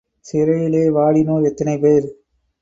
சிறையிலே வாடினோர் எத்தனைபேர்!